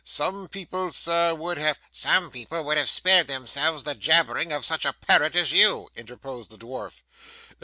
Some people, sir, would have ' 'Some people would have spared themselves the jabbering of such a parrot as you,' interposed the dwarf.